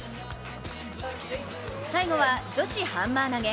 最後は女子ハンマー投げ。